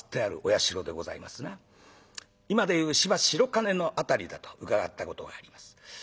今で言う芝白金の辺りだと伺ったことがあります。